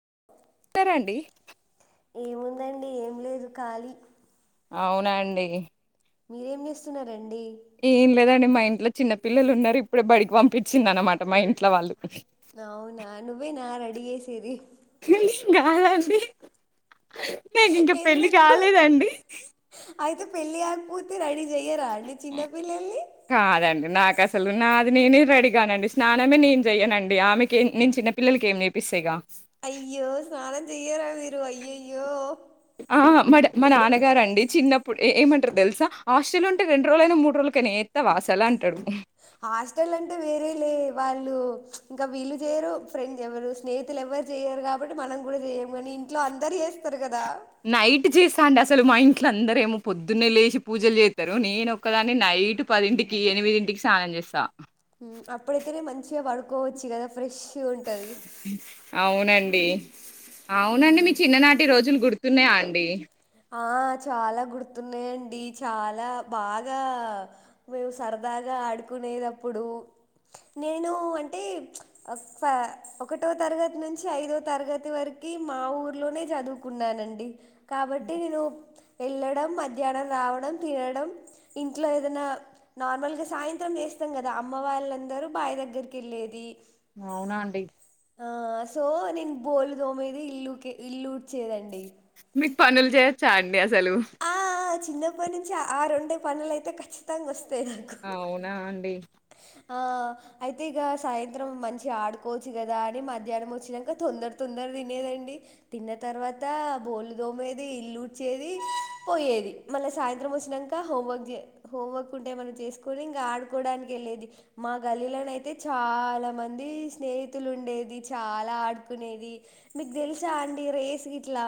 ఆ [inaudible] సరేండి ఏముందండి ఏం లేదు ఖాలీ అవునండి మీరేం చేస్తున్నారు? ఎం లేదండి మా ఇంట్లో చిన్న పిల్లలు ఉన్నారు. ఇప్పుడే బడికి పంపించింది అనమాట మా ఇంట్లో వాళ్ళు. అవునా నువ్వేనా రెడి చేసిది కాలంది నేను ఇంక పెళ్ళి ఎందుకు కాలేదండి. అయితే పెళ్ళి అ కాదండి నాకు అసలు నా అది నేనే రెడీగానండి, స్నానమే నేను చెయ్యనండి. ఆమెకి నేను చిన్న పల్లలకి ఏం నేపిస్తా ఇగా. అయ్యో స్నానం చెయార మీ అయ్యయ్యో ఇప్పుడు ఏమంటారు తెలుస హాస్టల్ లో ఉంటే రెండూ రోజులకు, అయిన మూడు రోజులకైన చేస్తావా అసలు అంటారు. హాస్టల్ అంటే వేరే లే వాళ్ళు, ఇంకా వీళ్ళు చేయరు ఫ్రెండ్స్ ఎవ్వరు, స్నేహితులు ఎవరు చేయరు కాబట్టి మనం కూడా చేయ కానీ ఇంట్లో అందరు చేస్తారు కదా. నైట్ చేస్తా అండి అసలు మా ఇంట్ల అందర ఏమో పొద్దున్నే లేచి పూజలు చేస్తారు. నేను ఒకక్కదాన్ని నైట్ పదింటికి, ఎనిమిదింటికి స్నానం చేస్తాను. ఉమ్, అప్పుడైతేనే మంచిగా పడుకోవచ్చు కదా ఫ్రెష్ అవునండి డి అవునండి ఉమ్. మీ చిన్ననాటి రోజులు గుర్తు నయా అండి ఆ చాలా గుర్తున్నాయండి. చాలా బాగా మేము సరదాగా ఆడుకునేది, అప్పుడు నేను అంటే ఒకటో తరగతి నుంచి, ఐదవ తరగతి వరకు మా ఊర్లోనే చదువుకున్నానండి కాబట్టి. పటినిలు వెళ్ళడం, మధ్యాహ్నం రావడం, తినడం ఇంట్లో ఏదైనా నార్మల్గా సాయంత్రం చేస్తాం కదా. అమ్మ వాళ్ళందరూ బావి దగ్గరికి వెళ్ళేది. అవునా అండి ఆ సో నేను బోలు తోమేది ఇల్లు ఉకేది అండి మ పనులు చేయచ అండి హలో ఆ! చిన్నప్పటి నుంచి ఆ రెండు పనులు అవునా అండి ఆ అయితే ఇక సాయంత్రం మంచిగా ఆడుకోవచ్చు కదా అని మధ్యాహ్నం వచ్చాక తొందర తొందర తినేదండి తిన్న తర్వాత బోలు దోమేది ఇల్లుడ్చేది పోయేది మళ్ళ సాయంత్రం వచ్చినాక హోంవర్క్ హోంవర్క్ ఉంటే మనం చేసుకొని ఇంకా ఆడుకోవడానికి వెళ్ళేది మా గల్లీలోన అైతే చాలా మంది స్నేహితులు ఉండేది చాలా ఆడుకునేది మీకు తెలుసా అండి రేస్ ఇట్లా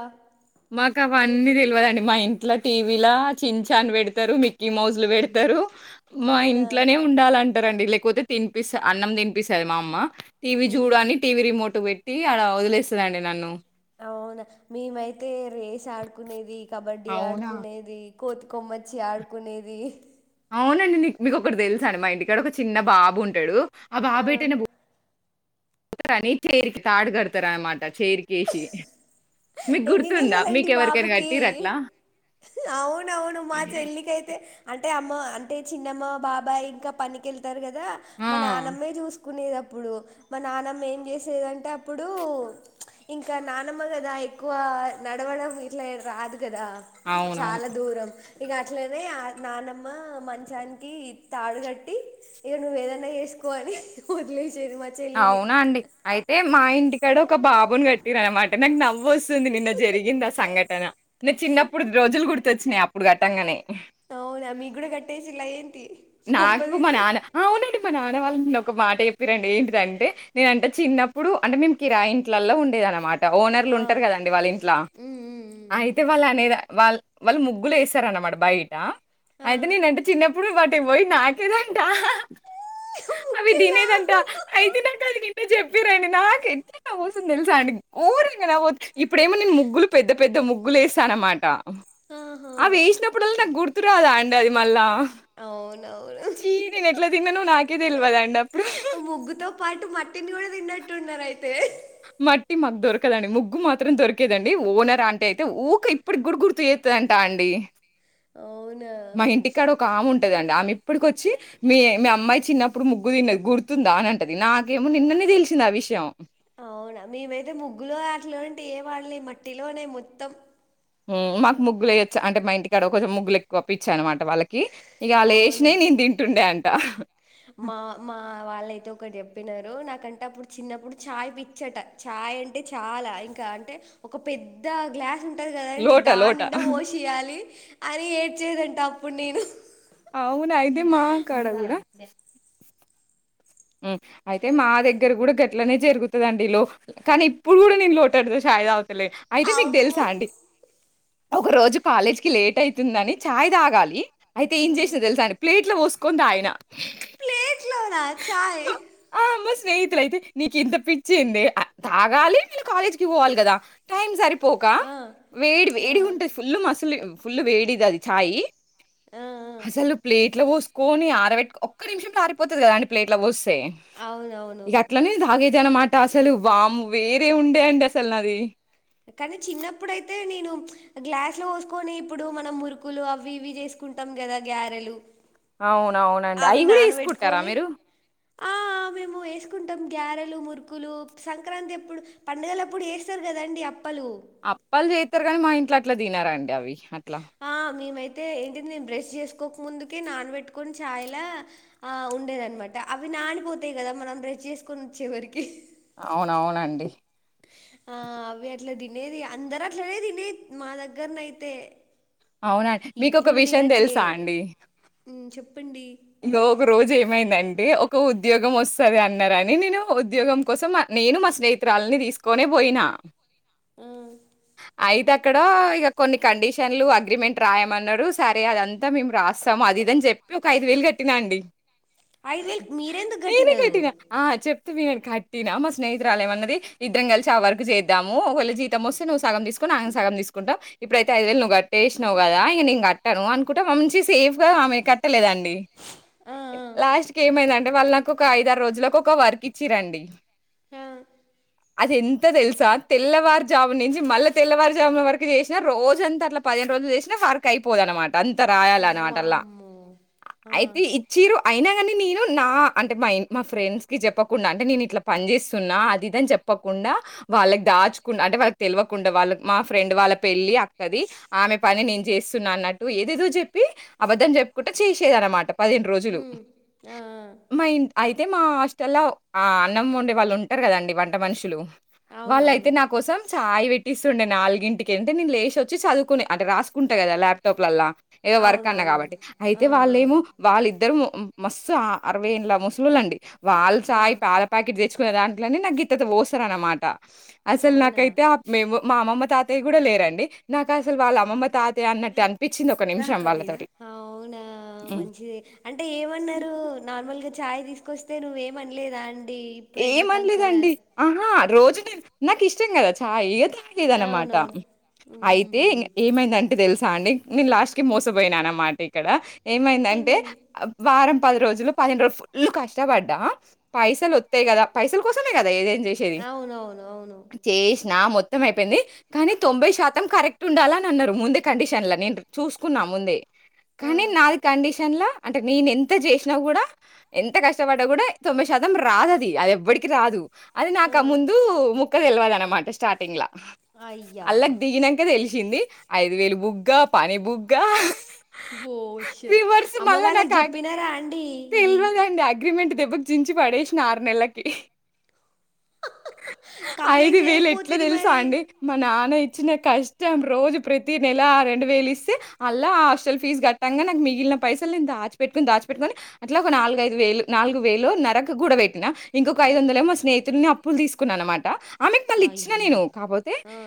మాకు అవ అన్నీ తెలియదండి మా ఇంట్లో టీవీ ల చిన్ చాన్ పెడతారు మక్కీ మౌజు లు పెడతారు మా అవునా! ఇంట్లోనే ఉండాలంటే రండి లేకపోతే తిపిస్త అన్నం తినిపిస్థాది మా అమ్మ టీవీ హ్మ్. చూడని టీవీ రిమోట్ పెట్టీ టీ అలా వదిలేస్తుందిండి నన్ను అవునా మేమైతే రేస్ ఆడుకునేది కబడ్డీ అవునా ఆడుకునేది కోతి కొమ్మచ్చి ఆడుకునేది అవునండి నీకు మీకు ఒక్కటి తెలుసాండి మా ఇంటికాడ ఒక చిన్న బాబు ఉంటాడు అ ఆ బాబేటి బు తని తీరికి తాడు గడతార అనమాట చే కేేసి ఎన్ని నెలలండి బాబుకి అట్లా? అవునవును మా చెల్లికైతే అంటే అమ్మ అంటే చిన్నమ్మ బాబాయ్ ఇంకా పనికెళ్తార్ కదా దా ఆ! మ నానమ్మే చూసు కునేది అప్పుడు మా నానమ్మ ఏం చేసేదంటే అప్పుడు ఇంకా నానమ్మ కదా ఎక్కువ నడవడం ఇట్లా రాద్ కదా అవునవును. చాలా దూరం ఇక అట్లనే ఆ నానమ్మ మంచానికి తాడుగట్టి ఇక నువ్వ ఏదన్నా చేసుకో అని వదిలే అవునా అండి అయితే మా ఇంటికాడ ఒక బాబుని కట్ టిర్ అనమాట నాకు నవ్ వస్తుంది నిన్న జరిగింది ఆ సంఘటన నేను చిన్నప్పుడు రోజులు గుర్తొచ్చినాయి అ ఇప్పుడు కట్టంగానే అవునా మీ కూడా గట్టేసిలా ఏంటి నాకు కొంపతీసి ఒక మాట చెప్పిరండి ఏంటి అంటే నేనంటే చిన్నప్పుడు అంటే మేము కిరాయింట్లలో ఉండేది అనమాట ఓనర్లు ఆ ఉంటారు కదండి వాళ్ళ ఇంట్ల ఉమ్ ఉమ్ ఉమ్ అయితే వాళ్ళ అనేది వాళ్ వాళ్ళు ముగ్గులు వేస్తార అనమాట బయిట ఆ అయితే నేనంటే చిన్నప్పుడు వా టే ఒయ్ నాకినంట అవి ముగ్గులా దినేదంటా అది వింటే చెప్పిరండి నాకెతె నవ్వొస్తుంది తెలుసా అండి ఓరుకనే ఇప్పుడేమో నేను ముగ్గులు పెద్ద పెద్ద ముగ్గులు వేస్తానునమాట ఆహా అ వేసినప్పుడల్ నాకు గుర్తురాదా అం అది మల్లా అవునవును చీ నేను ఎట్లా తిన్నాను నాకే తెల్వదండి అప్పుడు ఆ ముగ్గుతో పాటు మట్టిని కూడా తిన్నట్టు ఉన్నారు అయితే మట్టి మాకు దొరకదండి ముగ్గు మాత్రం దొరికేదండి ఓనరా ఆంటీ అయితే ఊక ఇప్పటికి కూడా గుర్తు చేస్తుందంటా అండి అవునా మా ఇంటికాడ ఒక ఆము ఉం ఉంటదండి ఆమె ఇప్పడికు వచ్చి మీ మీ అమ్మాయి చిన్నప్పుడు ముగ్గు తిన్నది గుర్తుందా అని అంటది నాకేమో నిన్ననే తెలిసింది ఆ విషయం అవునా మేమైతే ముగ్గులు అట్లాంటివి ఏ ఆడల్ మట్టిలోనే మొత్తం మాకు ముగ్గులు యేయొచ్చు అంటే మా ఇంటికకాడ కంచెం ముగ్గులులేక్కువ పిచ్చనామాట వాళ్ళకి ఇక వల్లేసినే అవునా నేను తింటుండే అంట మా మా వాళ్ళయితే ఒకటి చె చెప్పినారు నాకంటే అప్పుడు చిన్నప్పుడు చాయ్ పిచ్చట చాయ్ అంటే చాలా ఇంకా అంటే ఒక పెద్ద గ్లాస్ అ ఉంటది గదండి లోట లోట. దానిండా పోషియ్యాలి అని ఏడ్చేదంట అప్పుడు నేను అంటే మహం కడగడా అయితే మా దగ్గర కూడ గట్లనే జరుగుతది అండి లోపల కానీ ఇప్పుడు కూడా నేను లోటడు చాయ్ తాగుత అయితే మీకు అమ్మో తెలుసా అండి ఒక రోజు కాలేజ్ కి లేట్ అయితుందని చాయ్ తాగాలి అయితే ఏం ఉమ్. చేసిన తెలుసా అండి ప్లేట్ లో పోసు కొని తాగిన ప్లేట్ లోనా ఛాయ్ స్నేహితులు అయితే నీకు ఇంత పిచ్చేందే తాగాలి నేను కాలేజ్ కి పోవాలి కదా టైం సరి పోక ఆ, వేడి ఆ, వేడి ఉంటది ఫుల్లు మసలీ ఫుల్ వేడిది అది ఛాయి ఆ, ఆ. అసలు ప్లేట్ల పోసుకొ కోని ఆరవెటు ఒక్క నిమిషంలో ఆరిపోతది కదా అండి ప్లేట్ల పోసు అవునవును ఇక అట్లనే తగేదాన్ని అన్న మాట అట అసలు వామ్మో వేరే ఉండే అండి అసలు నాది నే గ్లాస్ లో పోసుకొని ఇప్పుడు మనం మురుకులు అవి ఇవి చేసుకుంటాం కదా గారెలు అవున్ అవునండి అయి అవి కూడా ఏసుకుంటారా నానబెట్టుకొని మీరు ఆ మేము వేసుకుంటం గ్యారెలు మురుకులూ సంక్రాంతి అప్పుడు పండుగలు అప్పుడు ఏస్తరు కదండి అప్ అప్పాలు చేత్తరు గానీ మా ఇంట్ల ఆట్ తినరు అండి అవి అట్లా. ఆ మేమైతే తే ఏంటిది నేను బ్రష్ చేసుకోక ముందుకే నానబెట్టుకొని చాయ్లా ఆ ఉండేదనమాట అవి నానిపోతయి. కదా మనం బ్రష్ చేసుకొని వోచ్చేవరికి అవునవునండి ఆ అవి అట్లా తినేది అందరు అట్లనే తినే మా దగ్గరనయితే అవునండి మీకు ఒక ఇప్పుడు విషయం తినట్లే తెలుసా అండి ఉమ్ చెప్పండి ఇంగో ఒక రోజు ఏమైందం టే ఒక ఉద్యోగం వస్తది. అన్నరని నేను ఉద్యోగం కోసం నేను మా స్నేహితురాలనీ తీసుకొనే బోయినా హ్ అయితే అక్కడా ఇగ కొన్ని కండిషన్లు అగ్రిమెంట్ రాయమన్నరు. సరే అదంతా మేము రాస్తాము. అది ఇదని చెప్పి ఒక ఐ ద్ దు వేలు కట్టినా అండి ఐదు వేలు మీరెందుకు నేనే కట్టినారు కట్టినా ఆ చెప్ [unintelligible] కట్టినా మా స్నేహితురాలు ఏమన్నది ఇద్దరం కలిసి ఆ వర్కు చేద్దాము. ఒకవేళ జీతం వస్తే నువ్వు సగం తీసుకో ఆయన సగం తీసుకుంటామ్. ఇప్పుడైతే ఐదు వేలు నువ్వు కట్టేసినవు కదా ఇగా నేను కట్టను అనుకుంట మంచి సేఫ్ గా ఆమె కట్టలేదండి. ఆ లాస్ట్ కి ఏమైంది అంటె వాళ్ళు నాకు ఒక ఐద ఆరు రోజులకు ఒక వర్క్ ఇచ్చిరు అండి. ఆ అది ఎంత తెలుసా తెల్లవారు జామున్నుంచి మళ్ళా తెల్లవారు జామున్ వరకు చేసినా రోజంతా అట్ల పదిహేను రోజులు చేసినా వర్క్ అయిపోదు అన్నమాట అంత రాయాల అన్నమాట అల్ల వామ్మో! ఆ! అయితే ఇచ్చిర్రు అయినా కానీ నేను నా అంటే మా మా ఫ్రెండ్స్ కి చెప్పకుండా అంటే నేను ఇట్లా పని చేేస్తున్నా అది ఇది అని చెప్పకుండా వాళ్ళకి దాచుకుండా అంటే వాళ్ళకి తెలవకుండా వాళ్ళ మా ఫ్రెండ్ వాళ్ళ పెళ్ళి అక్కది ఆమె పని నేను చేస్తున్నా అన్నట్టు ఏదేదో చెప్పి అబద్ధం చెప్పుకుంట చేసి సన్నమట పదిహేనుడు రోజులు హ్మ్. ఆ! ఆ! మా ఇం అయితే మా హాస్టల్ల ఆ అన్నం వండే వాళ్ళు ఉంటారు. కదండి వంట మనుషులు వాళ్ళయితే అవునవును. నా కోసం చాయ్ వేట్టి తుండే నాలుగు ఇంటికి వెంటే నేను లేచి వోచ్చి చదువుకునే అంటె రాసుకుంటా కదా ల్యాప్టాప్లల్లా ఏవో వర్క్ అన్నా అవునవును. కాబట్టి అయి ఆ! యితే వాళ్ళేమో ఆ! వాళ్ళిద్దర్ మస్సు అరవై ఏండ్ల ముసలొల్లు ళ్లండి వాళ్ళు చాయ్ ఆహా! పాల ప్యాకెట్ తెచ్చుకునేదాం ట్లానె నాకు గింతంత్త ఓస్తరు అన్నమాట అసలు అవునా? నాకైతే ఆ మే మో మ అమ్మమ్మ తాతయ్య కూడా లేరండి. నాకు అసలు వాళ్ళు అమ్మమ్మ తాతయ్య అన్నట్టే అనిపించింది. ఒక నిమిషం వాళ్ళ అవును ఆ మంచిది అంటే ఏమన్నారు నార్మల్గా చాయ్ తీసుకొస్తే నువ్వేమనలేదా అం ఏమనలేదండి ఆహా రోజు నేను నాకు ఇష్టం కదా చాయి కదా లేదనమాట అవునవును. హుహు. అయితేం ఏమైందంటే తెలుసా అండి నేను లాస్ట్ కి మోసపోయినాన అన్నమాట ఇక్కడ ఏమైందంటే ఏమైంది? వారం పది రోజులు పదిడు రోజులు ఫుల్లు కష్టపడ్డా పైసలు అ కా పైసల కోసమే కదా ఏద అవునవును. అవును. చేష్ నా మొత్తం మత్తం అయిపోయింది కానీ తొంభై శాతం కరెక్ట్ ఉండాలని అన్నారు ముందే కండిషన్ ల నేను చూసుకున్నా ముందే ఆ! కానీ నాది కండిషన్ లో అంటే నేను ఎంత చేసినా కూడా ఎంత కష్టపడ్డా కూడా తొంభై శాతం రాదు అది ఎవడికి రాదు అది నాకు ఆ ముందు ము తెల్వదనట స్ర్టింగ్ లా అయ్యా! అల్లాగ దిగినంకద తెలి వచ్చింది ఐదు వేలు బుగ్గ పని బుగ్గ ఓష రివర్స్ అమ్మ మళ్ళా వాళ్ళకి నాకు అగ్ చెప్పినారా అండి ఇది దబక్ జించంచి పడేసిన నెలకి ఐదు కంప్లైంట్ వేలు ఎట్లా చేయకపోతిరి తెలుసా మరి అండి మా నాన్న ఇచ్చిన కష్టం రోజు ప్రతి నెల రెండు వేలు ఇస్తే అలా ఆ హాస్టల్ ఫీజు కట్టంగా నాకు మిగిలిన పైసలు నేను దాచిపట్టుకుని దాచిపట్టుకని అట్లా ఒక నాలుగుదు వేలు నాలుగు వేలు నరక కూడా పెట్ను ఇలా ఇంక ఐ వందలే ఉమ్ మా స్హితుని పప్పులు తీసుకున్నా అనమాట ఆమెకు మళ్ళీ ఇచ్చిన అయ్యా నేను కాపోతే ఆ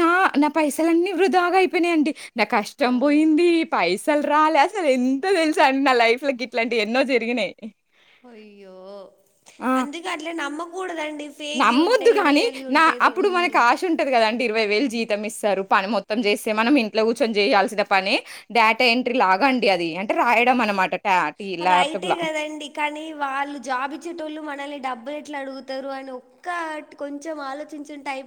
నా నా పైసలన్నీ వృధాగా అయిపోయినాయియండి నా కష్టం అవును పోయింది పైస అసలు రాలే అసలు ఎంత తెలుసు అండి నా లైఫ్ లోకి ఇట్లాంటివి ఎన్నో జరిగినాయి అయ్యో ఆ! అందుకట్ నమ్మకూడద నమ్మొద్దు కాగాని నా అప్పుడు ఉమ్ మనకు ఆశ ఉంటది కదాండి ఇరవై వేలు జీతం ఇస్తారు పని మొత్తం చేస్తే మనం ఇంట్లో కూర్చొని చేయాల్సిన పని డేటా ఎంట్రీ లాగాండి అది అంటే రాయడం అనమాట టా టీ రైటే ల్యాప్‌టాప్‌ల. కదండి కానీ వాళ్ళు జాబచ్చేటోళ్ళు మనల్ని డబ్బు డబ్బులు ఎట్లా అడుగుతారు అని ఒక్క ట్ కొంచెం ఆలోచించుంటే అయ్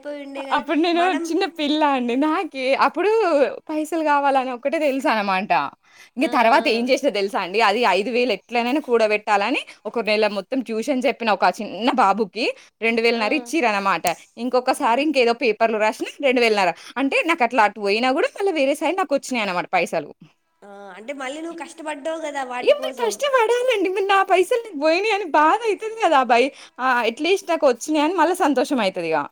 అప్పుడు నేను చిన్న పిల్ల అండి నాకి అప్పుడు పైసలు కావాలని ఒక్కటే తెలుసన్నమాట ఇంగ ఆ తర్వాత ఏం చేస్నా దెల్సా అండి అది ఐ యిదువేలు ఎట్లనైనా కూడ పెట్టాలని, ఒక నెల మొత్తం ట్యూషన్ చెప్నా ఒక చిన్న బాబుకి రెండు ఆ ఆ వేలన్నర ఇచ్చిరనమాట ఇంకొ ఆ ఒకసారి ఇంకేదో పేపర్లు రాస్నా రెండువేల్ నర అంటే నాకట్లా అటుపోయినా కూడా మళ్ళ వేరే సైడ్ నాకొచ్చినాయ్ అన్నమాట పైసలు ఆ అంటే మళ్ళీ నువ్వు కష్టపడ్ ఇప్పుర్ కష్ట పడాలండి. నా పైసల్ నేన్ బొయినయ్ అని బాధ అయితంది కదా బై, ఆ అట్లీస్ట్ నాకొచ్చినయని మల్ల సంతోషం అయితదిగా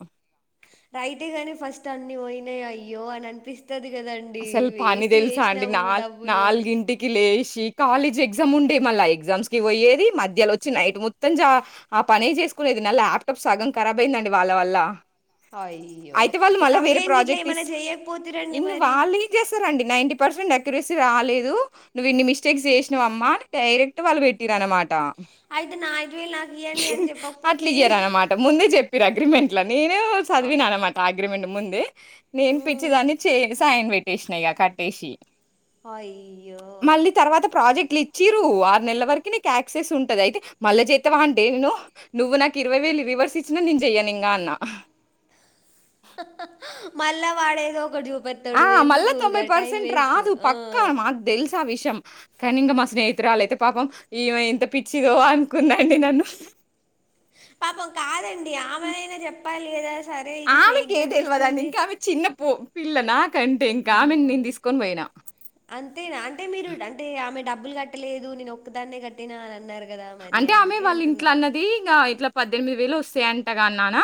రైటే గాని ఫస్ట్ అన్నీ పోయ్నయ్ అయ్యో అని అనిపిస్ అసలు పని దెల్సా అండి, నాల్ డబ్బులు అని నాల్గింటికి లేస్ కి కాలేజ్ ఎగ్జామ్ ఉండే మల్ల ఎగ్జామ్స్ కి పోయేది మధ్యలో వచ్చి నైట్ మొత్తం జా ఆ పనే చేసుకునేది నా ల్యాప్టాప్ సగం ఖరాబ్ అయిందండి వాళ్ళ వల్ల అయ్యో, అయితే వాళ్ళు ఎ మళ్ళా కంప్లైంట్ గిట్లా ఏమన్నా చేయ్యపోతిరండి మర్ వాళ్ళు ఏం చేస్సరండి, నైంటీ పర్సెంట్ నె క్రిసీ రాలేదు, నువ్వు ఇన్ని మిస్టేక్స్ చేస్నవమ్మా డైరెక్ట్ వాళ్ళు పెట్టిర్రు అనమాట అయితే నా ఐదు వేలు నాకు టీ, ఇయ్యండి అని చెప్పకపోతే అట్లీయిరు అనమాట ముందే చెప్పిరు అగ్రిమెంట్ నేనెవ్ ఆ చదివినా అనమాట అ అగ్రిమెంట్ ముందే నేని ఉమ్ పిచ్చిదాన్ని చేస్ పైన్ పెట్టేస్న ఇగ కట్టేసి అయ్యో క్లిచ్చిరు ఆరు నెల్ల వరకి నీకు యాక్సిస్ ఉంటది. అయితే మళ్ళ చేత్తవా అంటే నో నువ్వు నాకు ఇరవై వేలు రివర్స్ ఇచ్చినా నేను చెయ్యనింగా అన్న [inaudible] మళ్ళా వాడు ఏదో ఒకటి డు ఆ మల్ల తొంబై పర్సెంట్ రాదు, ఆ పక్కా మాక్ దెల్స్ ఆ విషయం కానీ ఇంగా మా స్నేహితురాలయితే పాపం ఇగొ ఇంత పిచ్చిగో అనుకునరండి నన్ను పాపం కాదండి ఆమెనైనా చెప్ ప్పాలి కదా సరే ఇది ఆమె ఫేక్ కె దెల్వదండి, కనిపిస్తుంది ఇంకామె చిన్న పో పిల్లనా కంటే ఇంకామెను నేన్ తీసుకొన్ పోయినా అంతేనా అంటే మీరు డంటే ఆమె డబ్బులు కట్టలేదు నేను ఒక్కదాన్నే కట్టినా అని అన్నారు. కదా మరి అంటే ఆమె అందుకే అంటున్నా వాళ్ళింట్ల అన్నది ఇంగా ఇట్లా పద్దెనిమిది వేలు వస్సయంటగా నాన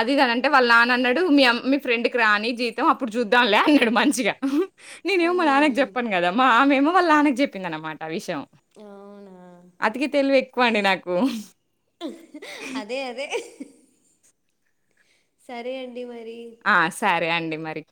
అది కాదంటే వాళ్ళ నాన్న అన్నాడు, మీ అమ్ మీ ఫ్రెండ్ కి రాని జీతం అప్పుడు చూద్దాంలే అన్నాడు మంచిగా నీనేమో మా నాన్నకి ఊహూ చెప్పాను కదా మా మామ ఏమో వాళ్ళ నాన్నకి చెపింది అనమాట విషయం యం అవునా అతికిత్ ఎక్కువండి నాకు అదే అదే సరే అండ్ ఆ సరే అండి మరి